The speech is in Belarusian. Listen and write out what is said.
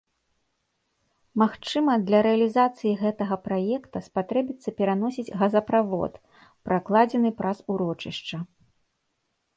Магчыма, для рэалізацыі гэтага праекта спатрэбіцца пераносіць газаправод, пракладзены праз урочышча.